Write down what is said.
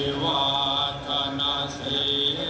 สมัยใหม่วันนี้